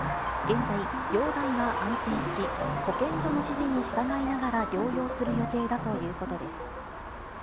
現在、容体は安定し、保健所の指示に従いながら療養する予定だということです。